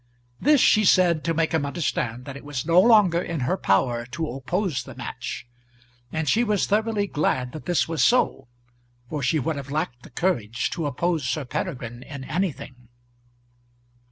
This she said to make him understand that it was no longer in her power to oppose the match. And she was thoroughly glad that this was so, for she would have lacked the courage to oppose Sir Peregrine in anything.